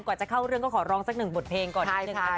กว่าจะเข้าเรื่องก็ขอร้องสักหนึ่งบทเพลงก่อนนิดนึงนะคะ